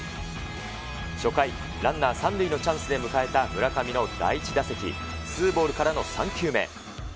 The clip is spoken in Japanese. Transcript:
初回、ランナー３塁のチャンスで迎えた村上の第１打席、ツーボールからの３球目。